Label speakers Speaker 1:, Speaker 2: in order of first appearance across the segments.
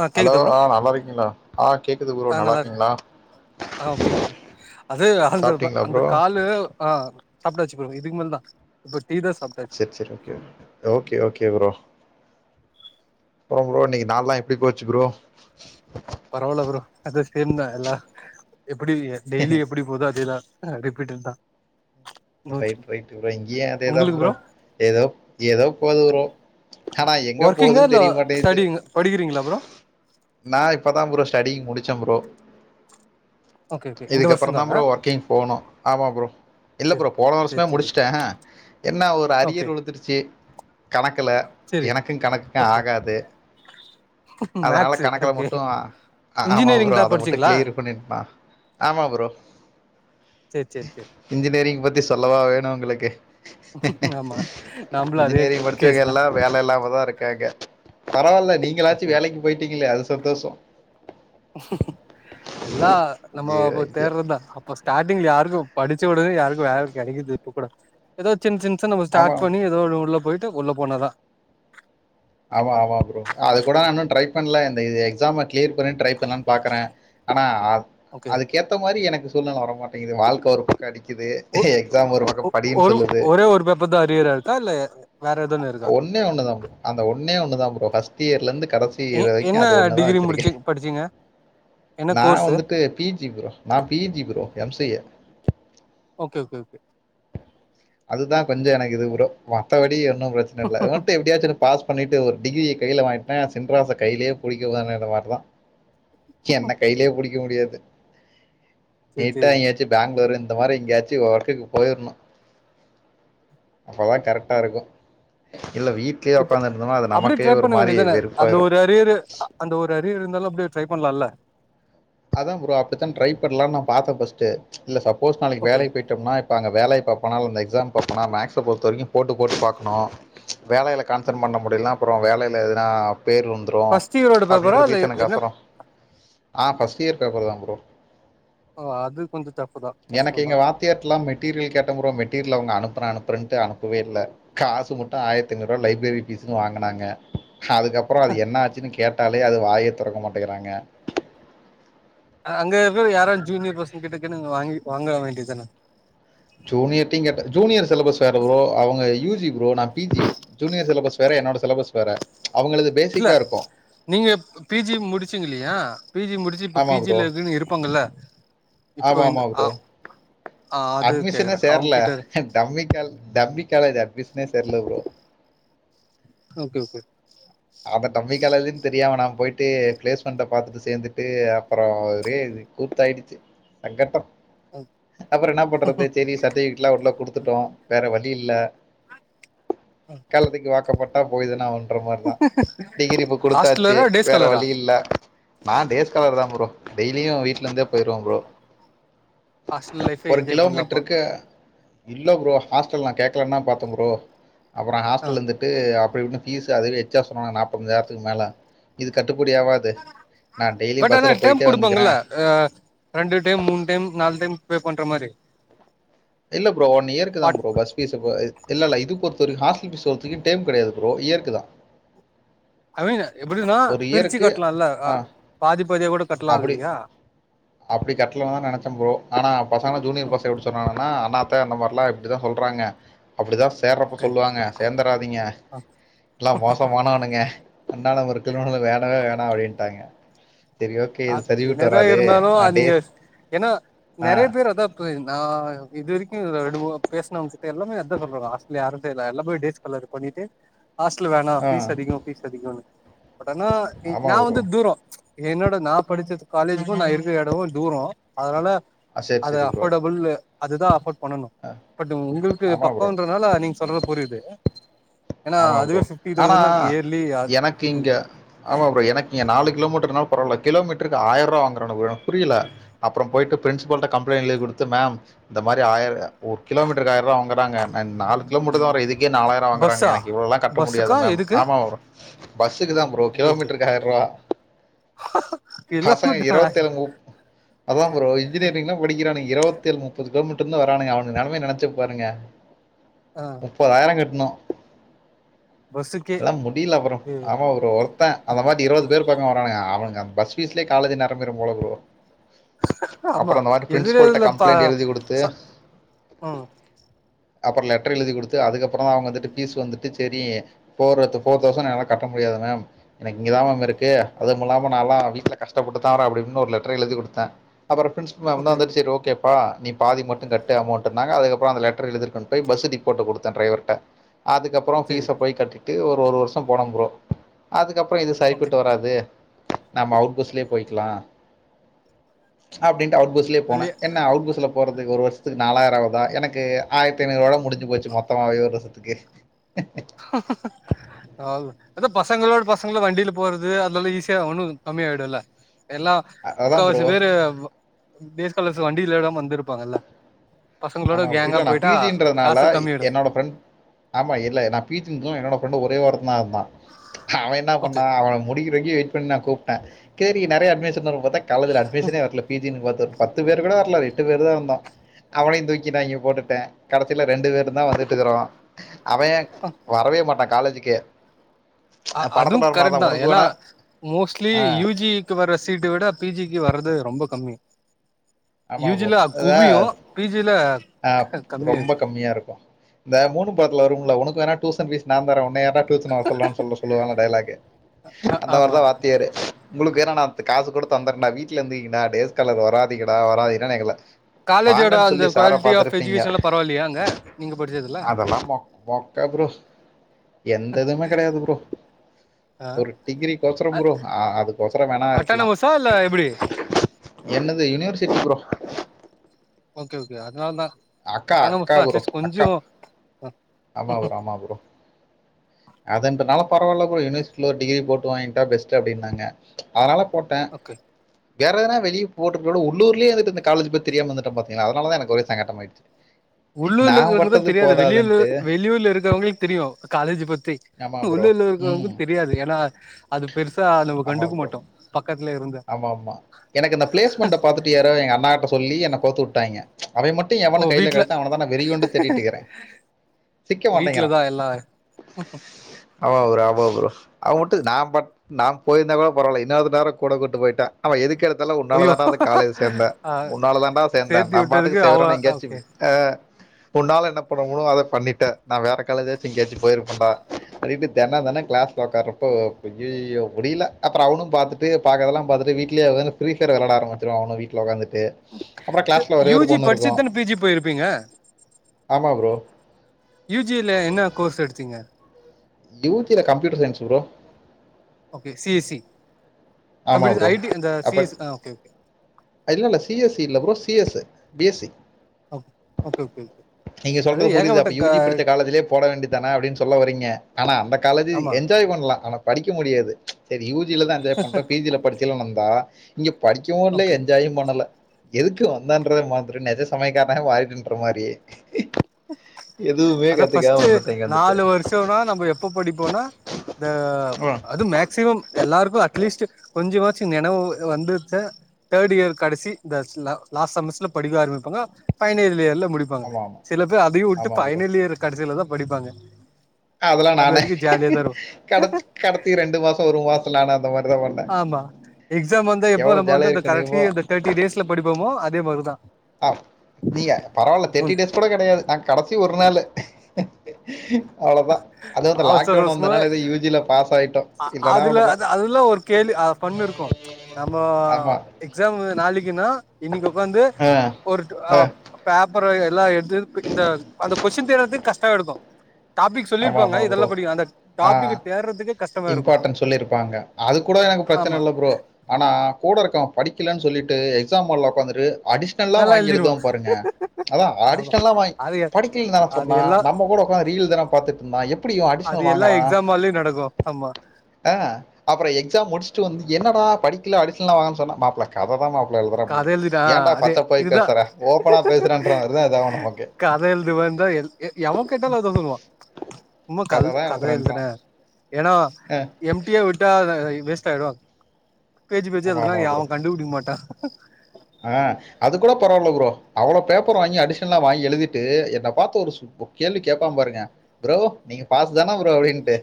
Speaker 1: ஆ
Speaker 2: hello
Speaker 1: கேக்குதா bro
Speaker 2: ஆ நல்லா இருக்கீங்களா ஆ கேக்குது ப்ரோ
Speaker 1: ஆ
Speaker 2: நல்லா
Speaker 1: நல்லாருகெ
Speaker 2: இருக்கீங்களா
Speaker 1: ஆ ஓகே ப்ரோ அது அந்த ப
Speaker 2: சாப்ட்டீங்களா
Speaker 1: அந்த
Speaker 2: ப்ரோ
Speaker 1: காலு ஆ சாப்டாச்சு புரோ இதுக் மேல்தா
Speaker 2: செர் செர் okay okay okay bro [unintelligible] bro இன்னக்கி நாள்லா எப்டி போச்சு ப்ரோ
Speaker 1: பரவல்ல ப்ரோ அது சேம் தா எல்லா எப்புடி டெய்லி எப்புடி போதோ அதேதா அ ரிப்பீட்டு தா no
Speaker 2: right
Speaker 1: change
Speaker 2: right bro இங்கேயே அதேதா ப்ரோ ஏதோ ஏதோ போது ப்ரோ ஆனா எங்க
Speaker 1: ஒர்க்கிங்கா
Speaker 2: போகுதுன்னு
Speaker 1: இல்ல
Speaker 2: தெரியமாட்டேது
Speaker 1: ஸ்டடிங் படிக்கிறீங்களா ப்ரோ
Speaker 2: நா இப்பதா ப்ரோ ஸ்டடி முடுச் ச்சுட்டே ப்ரோ
Speaker 1: ஓகே ஓகே இந்த வருஷோ
Speaker 2: இதுக்கப்பறந்தா
Speaker 1: தானா
Speaker 2: ப்ரோ ஒர்க்கிங் போனு ஆமா ப்ரோ இல்ல
Speaker 1: சேரி
Speaker 2: ப்ரோ போன வருஷமே
Speaker 1: சேரி சேரி
Speaker 2: முடிச்சுட்டே என்ன ஒரு
Speaker 1: ஓகே
Speaker 2: அரியர் உழுந்துருச்சு கணக்குல
Speaker 1: சேரி
Speaker 2: எனக்கு கணக்குக்கு
Speaker 1: ஓகே
Speaker 2: ஆகாது அதனால
Speaker 1: மேக்ஸு
Speaker 2: கணக்குல
Speaker 1: ஓகே
Speaker 2: மட்டு அ ஆமா
Speaker 1: இன்ஜினியரிங்
Speaker 2: ப்ரோ
Speaker 1: தா
Speaker 2: அத மட்டு
Speaker 1: படிச்சீங்களா
Speaker 2: க்ளியர் பண்ணிடேனா ஆமா ப்ரோ
Speaker 1: சேரி சேரி சேரி
Speaker 2: இன்ஜின் பத்தி சொல்லவா வேணு உங்குளுக்கு
Speaker 1: ஆமா நம்புளு அதே
Speaker 2: இன்ஜினியரிங் படிச்சவங்க
Speaker 1: கேஸ்தா
Speaker 2: எல்லா வேல இல்லாம தா இருக்காங்க பரவால்ல நீங்களாச்சு வேலைக்கி போயிட்டீங்ளே அது சந்தோஷோ
Speaker 1: எல்லா நம்போ
Speaker 2: ஐயோ
Speaker 1: அப்ப
Speaker 2: ஐயோ
Speaker 1: தேர்ரதா அப்ப ஸ்டாட்டிங்ல யார் [unintelligible] படிச்சவொடனே யாருக்கு வேல கெடைக்குது இப்ப குட எதோ சின் சின் ச நம்ம
Speaker 2: ஆமா
Speaker 1: ஸ்டார்ட் பண்ணி
Speaker 2: ப்ரோ
Speaker 1: எதோதோ உள்ள போய் டு உள்ள போனாதா
Speaker 2: ஆமா ஆமா ப்ரோ அது கூட நா இன்னு ட்ரை பண்ல இந்த எக்ஸாம் வச் க்ளீர் பண்ணி ட்ரை பண்லானு பாக்கறே ஆனா ஆல்
Speaker 1: ஓகே
Speaker 2: அதுக்கேத்த மாரி எனக்கு சூழ்நெல வர மாட்டெங்கிது வாழ்க்க ஒரு பக்
Speaker 1: ஒ ஒ ஒரு
Speaker 2: சொல்லுது
Speaker 1: ஒரே ஒரு பேப்பர் தா அறியறா இருக்கா இல்ல வேற எதன்னு இருக்கா
Speaker 2: ஒன்னே ஒண்ணுதா ப்ரோ அந்த ஒன்னே ஒண்ணுதா ப்ரோ கஷ்ட தேர்லந்து கடைசி
Speaker 1: எ
Speaker 2: வரைக்கு
Speaker 1: என்ன
Speaker 2: அதுவொண்ணுதா
Speaker 1: டிகிரி
Speaker 2: வச்சுருக்கே
Speaker 1: முடிச்சு படிச்சீங்க என்ன
Speaker 2: நா
Speaker 1: கோர்ஸு
Speaker 2: வந்துட்டு பி ஜி ப்ரோ நா P G M C A
Speaker 1: okay okay okay
Speaker 2: அதுதா கொஞ்சோ எனக்கு இது ப்ரோ மத்தபடி ப்ரச்சன இல்ல இத மட்டு எப்டியாச்சு பாஸ் பண்ணிட்டு ஒரு டிகிரிய கையில வாங்கிட் சிண்டராச கையிலேயே புடிக்க முடிலன்ற மாரிதா என்ன கையிலேயே புடிக்க முடியாது [unintelligible]
Speaker 1: சேரி
Speaker 2: நீட்டா
Speaker 1: சேரி
Speaker 2: எங்கயாச்சு பெங்ளூரு இந்த மாரி எங்கயாச்சு ஒர்க்கு போயிர்ணு அப்பதா கரெக்டா இருக்கும் இல்ல வீட்லயே
Speaker 1: இப்ப
Speaker 2: உட்காந்துருந்தோம்னா அது
Speaker 1: அப்டியே
Speaker 2: நமக்கே
Speaker 1: ட்ரை
Speaker 2: ஒரு
Speaker 1: பண்ண
Speaker 2: மாதிரி
Speaker 1: வேண்டியதான அந்த
Speaker 2: வெறுப்பாயிரும்.
Speaker 1: ஒரு அரியரு அந்த ஒரு அ இருந்துருந்தாலு அப்டியே ட்ரை பண்ணலால்ல
Speaker 2: அதா ப்ரோ அப்டித்தா ட்ரை பண்ணலா நா பாத்தே பஸ்ட்டு இல்ல சா போஸ் நாளைக்கு
Speaker 1: ஓகே
Speaker 2: வேலைக்கு போயிட்டோம்னா இப்ப அங்க வேலைய பாப்பனாலு இந்த எக்ஸாம் ஓப்பனா மேக்ச பொறுத்த வரைக்கோ போட்டு போட்டு பாக்கணோ வேலையில கான்சன்ட் பண்ண முடியலானாப் அப்ரோ வேலைல எதுனா பேர் வந்துரோ
Speaker 1: ஃபர்ஸ்ட் இயரோட பேப்பரா
Speaker 2: அப்படின்ற
Speaker 1: இல்ல
Speaker 2: ரீசனுக்க
Speaker 1: என்ன
Speaker 2: ஓசரோ ஆ பஸ்ட் இதே பேப்பர் தா ப்ரோ
Speaker 1: அது கொஞ்சம் டஃப் தான்
Speaker 2: எனக்கு
Speaker 1: கஷ்டம் தான்
Speaker 2: எங்க வாத்தியார்டலா மெட்டீரியல் கேட்டே ப்ரோ மெட்டீரியல் அவுங்க அனுப்புனா அனுப் பிரண்ட்டு அனுப்பவேயில்ல காசு மட்டோ ஆயிரத்தி ஐநூருபா லைப்ரரி பீஸ்ன்னு வாங்கினாங்க அதுக்கப்புறோ அது என்னாச்சுனு கேட்டால் அது வாய தொறக்க மாட்டேங்கிறாங்க
Speaker 1: அங்க இருக்க யாராது ஜூனியர் பசங்கிட்ட கேட்டுவாங்கி வாங்க வேண்டியதுதானே
Speaker 2: ஜூனியர்டையு கேட்ட ஜூனியர் சிலபஸ் வேற ப்ரோ அவங்க யூ ஜி ஜி ப்ரோ நா பி ஜி ஜூனியர் சிலபஸ் வேற என்னோட சிலபஸ் வேற அவங்களது
Speaker 1: இல்ல
Speaker 2: பேசிக்கா இருக்கும்
Speaker 1: நீங்க பி ஜி முடிச்சிங்கல்லையா பி ஜி முடிச்சு இப்ப
Speaker 2: ஆமா
Speaker 1: பி
Speaker 2: ப்ரோ
Speaker 1: ஜில இருக்குன்னு இருப்பாங்கல்ல இப்போ
Speaker 2: ஆமா
Speaker 1: இந்த
Speaker 2: ஆமா
Speaker 1: ஆ
Speaker 2: ப்ரோ
Speaker 1: ஆ அது
Speaker 2: அட்மிஷனே
Speaker 1: கேக்குறே
Speaker 2: சேரல
Speaker 1: அவங்ககிட்ட
Speaker 2: டம்மி காலேஜ் டம்மி காலேஜ் அ அட்மிஷன் னே சரில ப்ரோ
Speaker 1: ஓகே ஓகே
Speaker 2: அத டம்மி காலேஜ்னு தெரியாம நா போயிட்டு பிளேஸ்மெண்ட பாத்துட்டு சேர்ந்துட்டு அப்றோ ஒரே கூத்தாயிடுச்சு சங்கட்டம் அப்புறோ என்ன பண்றது சரி சர்டிஃபிகேட்லா உள்ள குடுத்துட்டோ வேற வழ் இல்ல கலதைக்கு வாக்கப்பட் டா போய்தான ஆவனோ வர மாரிதா டிகிரி இப்ப குடுத்தாச்சு
Speaker 1: ஹாஸ்டலரா
Speaker 2: வேற
Speaker 1: டேஸ்காலரா
Speaker 2: வழி இல்ல நா டேஸ் காலர் தா ஃப்ரோ டெய்லியு வீட்டு்ல இருந்தே போயிருவே ஃப்ரோ
Speaker 1: ஹாஸ்டல் லைஃப என்ஜாய் பண்லப்பா
Speaker 2: இல்ல ப்ரோ ஹாஸ்டல் நா கேக்கலான்னு தா பாத்த ஃப்ரோ அப்புறோ
Speaker 1: ஆ
Speaker 2: ஹாஸ்டல இருந்துட்டு இப்ப இன்னோ ஃபீஸு அதுவே த்யா சொன்னாங்க நாப்பத்தஞ்சாயிரத்துக்கு மேல இது கட்
Speaker 1: பட் ஆனா டேம்
Speaker 2: போயிட்டே வந்துக்கிற
Speaker 1: குடுப்பாங்க ரெண்டு டேம் மூணு டேம் நாலு டேம் பே பண்ற மாரி
Speaker 2: இல்ல ஃப்ரோ ஒன் இயர்க்கு தா
Speaker 1: பட்
Speaker 2: ஃப்ரோ பஸ் பீஸ் போஇ இல்ல இல்ல இது பொத்தவரைக் ஹாஸ்டல் பீஸ் போரத்துக்கும் டேம் கிடையாது ஃப்ரோ இயற்கு தா
Speaker 1: அவினு எப்படின்னா
Speaker 2: ஒரு
Speaker 1: பிரிச்சு கட்டலல்ல அ பாதி பாதியா கூட கட்டலா
Speaker 2: அப்படி
Speaker 1: இல்லையா
Speaker 2: அப்படி கட்டலா தான் நினைச்ச ஃப்ரோ ஆனா பசங்கள ஜூனியர் பசங்க எப்படி சொன்னா ஆ அண்ணாத்த அந்த மாதிரிலா இப்படிதா சொல்றாங்க அப்படிதா சேர்றப்ப
Speaker 1: ஓகே ஆ
Speaker 2: சொல்லுவாங்க சேர்ந்துராதிங்க எல்லாம் மோசமானவானுங்க ஒன்ன நம்பர் கிரிமினல்லுக வேண்டவே வேண்டா அப்படின்ட்டாங்க சரி ஓகே இது சரிப்பட்டு
Speaker 1: என்னதா
Speaker 2: வராது.
Speaker 1: இருந்தாலும்
Speaker 2: நான்
Speaker 1: நீங்க
Speaker 2: டேஸ்
Speaker 1: ஏன்னா
Speaker 2: ஆ,
Speaker 1: நிறைய பேர் அதான் நா இது வரைக் ரெண்டு மூ பேசனவங்கிட்ட எல்லாமே அத சொல்றாங்க ஹஸ்டல்ல யாரு இல்ல எல்லா போய் டேஸ் காலர் பண்ணிட்டு ஹாஸ்டல் வேணா
Speaker 2: ஆ.
Speaker 1: ஃபீஸ் அதிக பீஸ் அதிகனு உடனா
Speaker 2: ஆமா
Speaker 1: நா
Speaker 2: ப்ரோ.
Speaker 1: வந்து தூரம் ஏனோடம் நா படிச்சது காலேஜுக்கும் நா இருக்கிற இடமு தூர அதனால
Speaker 2: ஆ சரி,
Speaker 1: அது
Speaker 2: சரி ப்ரோ.
Speaker 1: அஃபர்டபுள் அதுதா அப்ட் பண்ணணு பட் உங்களுக்கு
Speaker 2: ஆமா ப்ரோ.
Speaker 1: பக்கம்றனால நீங் சொல்றது புரிது
Speaker 2: ஆமா ஃப்ரோ ஆனா எனக்கு
Speaker 1: ம்
Speaker 2: இங்க ஆமா ஃப்ரோ எனக்கு இங்க நாலு கிலோமீட்டர் நா பரவால்ல கிலோமீட்டருக்கு ஆயர் ரூவா வாங்குற [unintelligible] புரியல அப்புறோம் போயிட்டு பிரின்சிபல்ட்ட கம்ப்ளெய்ன்ட் எழுதிக்கொடுத்து மாம் இந்த மாரி ஆயர் ஒரு கிலோமீட்டருக்கு ஆயர் ரூவா வ ங்குறாங்க நா நாலு கிலோமீட்டர் தா வரும் இதுக்கே நாலாயிரம் வாங்குறாங்க
Speaker 1: பஸ்ஸா
Speaker 2: எனக் இவ்வளவுல்லாம் கட்ட முடியாது
Speaker 1: பஸ்ஸுக்கா
Speaker 2: மேம்
Speaker 1: எதுக்கு
Speaker 2: ஆமா வரும் பஸ் பஸ்ஸுக்கு தா ப்ரோ
Speaker 1: ஓகே ஓகே
Speaker 2: கிலோமீட்டருக்கு ஆயிர ரூவா. பசங்க
Speaker 1: கிலோமீட்டர்
Speaker 2: இருவத்த ஏழு முப் அதான் ப்ரோ இன்ஜினியரிங்லா படிக்கிறானுங் இருவத்தேழு முப்பது கிலோமீட்டர் இருந்து வரானுங்க அவனுங்க நெலமைய நெனைச்சு பாருங்க
Speaker 1: ஆ
Speaker 2: முப்பதாயிரம் கட் ணோ
Speaker 1: பஸ்ஸுக்கே
Speaker 2: அதல்லா முடியல ப்ரோ
Speaker 1: ம்
Speaker 2: அவ ஒருத்த அந்த மாதிரி இருபது பேர் பக்கோ வர்றானுவ அவனுக் ஆ பஸ் ஃபீஸ்லயே காலேஜ் நடந்துரும் போல ப்ரோ
Speaker 1: ஆமா
Speaker 2: அப்புறம் அந்த மாரி
Speaker 1: எதுல
Speaker 2: பிரின்சிபல்ட்ட
Speaker 1: என்னப்பா
Speaker 2: கம்ப்ளைண்ட் எழுதி குடுத்து,
Speaker 1: ச ஹ்ம்
Speaker 2: அப்புறோ லெட்டர் எழுதி கொடுத்து அதுக்கப்புறம் அவங்க வந்துட்டு ஃபீஸ் வந்துட் சே சேரி போர் போர் தௌசண்ட் என்னால கட்ட முடியாது மேம் எனக்கு இங்கதா மேம் இருக்கு அதுவும் இல்லாம நான் வீட்ல கஷ்டப்பட்டு தான் வறேன் அப்படின்னு ஒரு லெட்டர் எழுதி கொடுத்தே அப்றோ ப்ரின்சிபல் மேம் தா
Speaker 1: ஓகே
Speaker 2: வந்துச் சரி ஓகே ப்பா நீ பாதி மட்டும் கட்டு அமௌண்ட்டுன்னாங்க அதுக்கப்புறம் அந்த லெட்டர எழுதி [unintelligible] பஸ் ரிப்போர்ட்ட குடுத்தே டிரைவர்ட்ட அதுக்குப்பற அப்புறோ
Speaker 1: சேரி
Speaker 2: ஃபீசப் போய் கட்டி ஒரு ஒரு வருஷம் போனோ ப்ரோ அதுக்கப் ப்புறோ இது
Speaker 1: ஓகே
Speaker 2: சரிப்பட்டு வராது நம் அவுட் பஸ்லேயே போயிக்கலா அப்டின்னு அவுட்பஸ்லய போனே
Speaker 1: வெளிய
Speaker 2: என்ன அவுட் பஸ்ல போறதுக்கு ஒரு வருஷத்துக்கு நாலாயிரம் ஆகுதா எனக்கு ஆயிரத்தி ஐநூறு ரூபால முடிஞ்சு போச்சு மொத்தமாவே ஒரு வருஷத்துக்கு
Speaker 1: அதாது அதப் பசங்களோட பசங்க வண்டியிலப் போறது அதெல்லா ஈஸியா ஒன்னு கம்மி ஆயிடும்ல எல்லா
Speaker 2: அதான் ப்ரோ
Speaker 1: முக்காவாசி பேரு டே ஸ்காலர்ஸு வண்டியில தா வந்திருப்பாங்கல்ல பசங்களோட
Speaker 2: ஆமா ப்ரோ இல்ல
Speaker 1: கேங்கா
Speaker 2: நான் பீ
Speaker 1: போயிட்டா
Speaker 2: ஜி ன்றதுனால
Speaker 1: காசு
Speaker 2: இ
Speaker 1: கம்மியாயிடு
Speaker 2: என்னோட ஃபிரெண்ட் ஆமா இல்ல நா பீ ஜி ங்கும்போ என்னோட ஃப்ரெண்ட் ஒரே வாரத் நான் தா அவ என்னா
Speaker 1: ஓகே
Speaker 2: பண்ணா அவன் முடிக்கப் ங்கேயே வெயிட் பண்ணா கூப்பிட்ட. கேறி நெறைய அட்மிஷன் வரு பாத்தா காலேஜுல அட்மிஷனே வர்ல பி ஜீ ன் [unintelligible] ஒரு பத்து பேர் கூட வரல எட்டு பேர் தா இருந்தோ அவனயுந் தூக் நான் இங்க போட்டுட்டேன் கடைசியில ரெண்டு பேருந்தா வந்துட்டுருக்கிறோ அவயே வரவே மாட்டான் காலேஜுக்கே
Speaker 1: அ அதுவு கரெக்ட் தா எல்லா மோஸ்ட்லி
Speaker 2: ஆ
Speaker 1: யூ ஜி க்கு வர்ற சீட்டு விட பி ஜி க்கு வர்ற து ரொம்ப கம்மி
Speaker 2: ஆமா
Speaker 1: யூ
Speaker 2: ப்ரோ
Speaker 1: ஜில
Speaker 2: அத
Speaker 1: குவியு பி ஜில
Speaker 2: ஆஹ் ரொம்ப
Speaker 1: கம்மியாயிரு
Speaker 2: கம்மியா இருக்கு இந்த மூணு படத்துல ரூம்ல உனக் வேனா டியூஷன் பீஸ் நா தரே உன்ன யார் [unintelligible] டியூஷன் வர சொல்றா சொல்ல சொல்லுவால ஒரு டயலாக்கு அந்த மாரி
Speaker 1: ஆமா
Speaker 2: தா வாத்தியாரு உங்களுக்கு வேனா நா காசு கூட தந்தறே நா வீட்டுல இருந்தீங்கன்னா டேஸ் காலர் வராதீங்க [unintelligible]
Speaker 1: காலேஜோட
Speaker 2: வாங்கன்னு
Speaker 1: அந்த
Speaker 2: சொல்லி சாரை
Speaker 1: குவாலிட்டி ஆஃப்
Speaker 2: பாத்துருப்பீங்க
Speaker 1: எஜுகேஷன்லா பரவாயில்லையா அங்க நீங்க படிச்சதுல
Speaker 2: அதெல்லா மொக் மொக்க ப்ரோ எந்ததுமே கிடையாது ப்ரோ
Speaker 1: ஆ
Speaker 2: ஒரு டிகிரிக்கு கொசரம்
Speaker 1: அ-
Speaker 2: ப்ரோ ஆ அதுக்கு கொசரம் வேணா இருக்கலா
Speaker 1: அட்டானமஸா இல்ல எப்டி
Speaker 2: என்னது யூனிவர்சி ப்ரோ
Speaker 1: ஓகே ஓகே அதனால தா
Speaker 2: அக்கா அக்கா
Speaker 1: அட்டானமஸ்னா
Speaker 2: ப்ரோ
Speaker 1: அட்லீஸ்ட்
Speaker 2: அக்கா
Speaker 1: கொஞ்சோ
Speaker 2: ஆமா பரோ ஆமா ப்ரோ அதன்றனால பரவால கூட யூனிவர்சிட்டில ஒரு டிகிரி போட்டு வாங்கிட்டா பெஸ்ட் அப்டின்னாங்க அதனால போட்டே
Speaker 1: ஓகே
Speaker 2: வேற எதனா வெளிய போட்டுட்டு கூட உள்ளூர்லயே வந்துட்டு இந்த காலேஜ் பேர் தெரியாம வந்துட்டே பாத்தீங்களா அதனால தான் எனக்கு ஒரே சங்கடம் ஆயிடுச்சு
Speaker 1: உள்ளூர்ல இருக்கவுதா தெரியாது வெளியூ வெளியூர்ல இருக்கிறவங்களுக்கு தெரியும் காலேஜு பத்தி
Speaker 2: ஆமா ப்ரோ.
Speaker 1: உள்ளூர்ல இருக்கவுக்கு
Speaker 2: ம்.
Speaker 1: தெரியாது ஏன்னா அது பெருசா நம்ம கண்டுக்க மாட்டோம் பக்கத்
Speaker 2: ஆமா ஆம்மா எனக்கு இந்த பிளேஸ்மெண்ட பாத்துட்டு யாரோ எங்க அண்ணா கிட்ட சொல்லி என்ன கோத்து உட்டாங்ய அவேன் மட்டும்
Speaker 1: ஓ
Speaker 2: எவனு கையில
Speaker 1: வீட்ல
Speaker 2: கிடைச்சா அவனை தான் வெறி கொண்டு தேடிடுக்கிறேன் சிக்க மாட்டேங்கிறான்
Speaker 1: வீட்லதா எல்லா
Speaker 2: ஆமா ப்ரோ ஆமா ப்ரோ அவன் வுட்டு நான் பட் நான் போயிருந்தா கூட பரவால இன்னொருத்தன வேற கூட கூட்டு போயிட்டே அவன் எதுக்கெடுத் மொதல்ல உன்னால
Speaker 1: ஐயோ
Speaker 2: தான்டா அந்த காலேஜ் சேந்தேன்
Speaker 1: ஆ
Speaker 2: உன்னால தான்டா சேந்தேன்
Speaker 1: சேத்தி
Speaker 2: நம்ம
Speaker 1: விட்டதுக்கு
Speaker 2: பாட்டுக்கு
Speaker 1: அவ
Speaker 2: செவறேன்னு எங்கேயாச்சும்
Speaker 1: ஓகே
Speaker 2: அ உன்னால என்ன பண்ண [unintelligible] அத பண்ணிட்டே நான் வேற காலேஜாச்சும் எங்கேயாச்சும் போயிருப்பேன்டா [unintelligible] தினொ தினொ கிளாஸில உடக்காறப்போ பொய்யய்யோ முடியல அப்புறம் அவனும் பாத்துட்டு [unintelligible] பாக்கரதெல்லாம் பாத்துட்டு வீட்டிலேயே அதாங்க ப்ரீ ஃபயர் விளையாட ஆரமிச்சுருவான் அவனும் வீட்ல உகாந்துட்டு
Speaker 1: சேர் யூஜி படிச்சட்டுதானே பிஜி போயிருப்பீங்க
Speaker 2: ஆமா ப்ரோ
Speaker 1: யூஜியில என்ன கோர்ஸ் எடுத்தீங்க
Speaker 2: யூஜீ ல computer science bro
Speaker 1: S E S C
Speaker 2: ஆமா
Speaker 1: கம்ப்யூட்டர்
Speaker 2: ப்ரோ
Speaker 1: ஐ டி அந்த சி
Speaker 2: அப்பன்
Speaker 1: எஸ் ஆ ஓகே ஓகே
Speaker 2: இல்ல இல்ல சி எஸ் சி இல்ல ப்ரோ சி எஸ்ஷ B S E
Speaker 1: okay okay okay okay
Speaker 2: நீங்க
Speaker 1: அது
Speaker 2: சொல்றது புரியுது
Speaker 1: ஏகப்பட்ட
Speaker 2: அப்ப
Speaker 1: க
Speaker 2: யூஜி படிச்ச காலேஜலயே போட வேண்டிதானே அப்படின்னு சொல்ல வரீங்க ஆனா அந்த காலேஜ்
Speaker 1: ஆமா
Speaker 2: என்ஜாய் பண்ணலாம் ஆனா படிக்க முடியாது செரி யூ ஜில தான் என்ஜாப் நம்பா பி ஜில படிச்சல வந்தா இங்கப் படிக்கவும் இல்ல
Speaker 1: ஓகே
Speaker 2: என்ஜாயும் பண்ணல எதுக்கு வந்தன்றதே மறந்துட்டு மாரி நிஜ சமயக்காராக மாரின்ற மாரி
Speaker 1: அத பஸ்ட்ட்
Speaker 2: வந்துட்டேங்க வந்துட்டு
Speaker 1: நாலு வருஷம்னா நம்ம எப்ப படிப்போம்னா இந்த
Speaker 2: ஆமா
Speaker 1: அது மேக்சிமம் எல்லாருக்கும் அட்லீஸ்ட் கொஞ்சமாச்சும் நினைவு வந்துருச்ச தேர்ட் இயர் கடைசி இந்த லாஸ்ட் செமஸ்டர்ல படிக்க ஆரம்பிப்பாங்க பைனல் இயர்ல முடிப்பாங்க.
Speaker 2: ஆமா
Speaker 1: சில பேர் அதையும் உட்டு
Speaker 2: ஆமா ப்ரோ
Speaker 1: பைனல் இயர் கடைசில தான் படிப்பாங்க.
Speaker 2: அதெல்லாம்
Speaker 1: அது
Speaker 2: நானே
Speaker 1: வரைக்கு ஜாலியா தா இருக்கு
Speaker 2: கட கடச்சி ரெண்டு மாசம் ஒரு மாசம் நான அந்த மாரி
Speaker 1: ஆமா எக்ஸாம் வந்து எப்போ
Speaker 2: எவ்வளவு
Speaker 1: நம்ம
Speaker 2: ஜாலியா
Speaker 1: வந்து
Speaker 2: இருக்க
Speaker 1: கடைசி
Speaker 2: முடியுமோ
Speaker 1: தேர்டி டேஸ்ல படிப்போமோ அதே மாதிரிதான்.
Speaker 2: ஆ நீங்க பரவால்ல தேர்ட்டி டேஸ் கூட கிடையாது நா கடைசி ஒரு நாள்.
Speaker 1: அவசர அவசரமா
Speaker 2: யுஜில பாஸ் ஆயிட்டோம். இல்லன்னா
Speaker 1: அதுல அ
Speaker 2: அவ்வளோதான்.
Speaker 1: அதுலாம் ஒரு கேள்வி ஃபண் இருக்கோம் நம்ம
Speaker 2: ஆமா.
Speaker 1: எக்ஸாம் நாளைக்குன்னா இன்னைக்கு உட்கார்ந்து
Speaker 2: ஆ,
Speaker 1: ஒரு
Speaker 2: ஆ.
Speaker 1: [unintelligible] அப்றோ எல்லாம் எ [unintelligible] இந்த அந்த கொஸ்டின் தேர்றதுக்கு கஷ்ட [unintelligible]
Speaker 2: ஆமா ஆமா ப்ரோ
Speaker 1: டாபிக்
Speaker 2: ஆஹ்
Speaker 1: தேடுறதுக்கே கஷ்டமா இருக்கு
Speaker 2: இம்பார்டன் சொல்லிருப்பாங்க அது கூட எனக்கு பிரச்சனை
Speaker 1: ஆமா
Speaker 2: இல்ல ப்ரோ ஆனா கூட இருக்கவன் படிக்கலன்னு சொல்லிட்டு எக்ஸாம் ஹால்ல உட்காந்துட்டு அடிஷ்னல்லா
Speaker 1: நல்லா
Speaker 2: வாங்கி
Speaker 1: எழுதிருவா
Speaker 2: எழுதுவான் பாருங்க அதான்
Speaker 1: ஆமா
Speaker 2: அடிஷ்னல் வாங்கி
Speaker 1: அது
Speaker 2: படிக்கலனு தான
Speaker 1: அது
Speaker 2: சொன்னா
Speaker 1: எல்லா
Speaker 2: நம்ம கூட உட்கார்ந்து ரீல் தான ப [unintelligible] எப்புடி இவன்
Speaker 1: அது
Speaker 2: அடிஷ்னல்
Speaker 1: எல்லா
Speaker 2: வாங்கறான்
Speaker 1: எக்ஸாம் ஹால்லயு நடக்கு ஆமா
Speaker 2: ஹ அப்புறம் எக்ஸாம் முடிச்சுட்டு வந்து என்னடா டா படிக்கல அடிஷ்னல்லா வாங்குனன்னு சொன்னா மாப்ள கத
Speaker 1: கத எழுதுடா அது
Speaker 2: போய்
Speaker 1: இதுதான்
Speaker 2: பேசுற ஓப்பனா பேசுறேன்ற மாதிரி தான் இதாகும் நமக்கு
Speaker 1: கத எழுதுவந்தான் எவன் கேட்டாலும் அததான் சொல்லுவான். சும்மா கல்
Speaker 2: கதை தான்
Speaker 1: கத
Speaker 2: எழுதுறேன்றான்
Speaker 1: எழுதுனே. ஏன்னா
Speaker 2: ஆ,
Speaker 1: எம்டியா விட்டா அ வேஸ்ட் ஆய்ரும் பேச்சு பேச்சு எழுதுனா எவ கண்டுபிடிக்கமாட்டா.
Speaker 2: ஆஹ் அது கூட பரவால்ல ப்ரோ அவ்ளோ பேப்பர வாங்கி அடிஷ்னலா வாங்கி எழுதிட்டு என்ன பாத்து ஒரு சூப்பர் கேள்வி கேப்பான் பாருங்க ப்ரோ நீங்க பாசு தான ப்ரோ ரோ அப்டின்ட்டு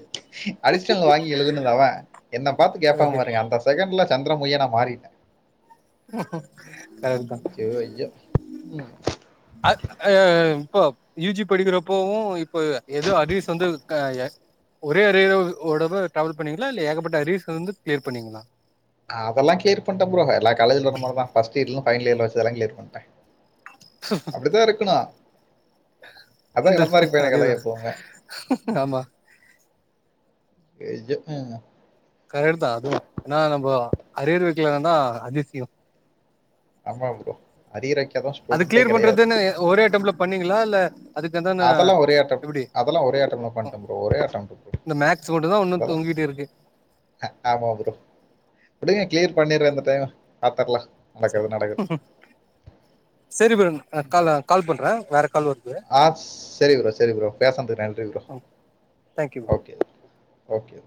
Speaker 2: அடிஷ்னல் வாங்கி எழுதுனது அவன் என்ன பாத்து கேப்பா
Speaker 1: ஓகே
Speaker 2: பாருங்க அந்த செகண்ட்ல சந்திர முகியா நா மாறிட்டேன்.
Speaker 1: கரெக்ட் தான்.
Speaker 2: உம்.
Speaker 1: அ அ இப்போ யூ ஜி படிக்கிறப்போவு இப்ப எதோ அரியர்ஸ் வந்து ஆஹ் எ ஒரே அரியரோ ஒரு தடவ டிராவல் பண்ணீங்ளா இல்ல ஏகப்பட்ட அரியர்ஸ்ல இருந்து கிளியர் பண்ணீங்ளா
Speaker 2: அதெல்லா கிளியர் பண்டே ப்ரோ எல்லா காலேஜ்லியு சொன்ன மாரிதா பர்ஸ்ட் இயர்லியு பைனல் இயர்லியு வச்சதெல்லாம் கிளியர் பண்ணிட்டே அப்டித்தா இருக்கணு அதா
Speaker 1: இந்த
Speaker 2: இளந்தாரி பையனுக்கழகு
Speaker 1: அதேதா
Speaker 2: எப்பவும்மே
Speaker 1: ஆமா
Speaker 2: அய்யோ ஆஹ்
Speaker 1: கரெட்தா அதுவு நா நம்போ அரியர் வக்லனாதா அதிசியோ
Speaker 2: ஆமா ப்ரோ அரியர் வக்
Speaker 1: அது கிளியர் பண்றதுன்னு ஒரே அட்டம்ட்ல பண்ணீங்களா இல்ல அதுக்கு எதான
Speaker 2: அதெல்லா ஒரே அட்டம்ட்
Speaker 1: எப்டி
Speaker 2: அதெல்லா ஒரே அட்டம்ட்ல பண்ட ப்ரோ ஒரே அட்டெம்ட் ப்ரோ
Speaker 1: இந்த மேக்ஸ் மட்டுந்தா உன்னு
Speaker 2: அதெல்லா
Speaker 1: தொங்கிட்டு இருக்கு
Speaker 2: ஆமா ப்ரோ இதையு கிளியர் பண்ணிட்ரேன்னு டுங்க பாத்தர்லா
Speaker 1: சரி சரி ப்ரோ நா கால்ல கால் பண்ற வேற கால் வருது
Speaker 2: ஆஹ் சரி ப்ரோ சரி ப்ரோ பேசனதுக் நன்றி ப்ரோ
Speaker 1: தேங்க்யூ
Speaker 2: ஓகே ஓக்கே